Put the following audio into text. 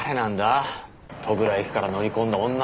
戸倉駅から乗り込んだ女ってのは。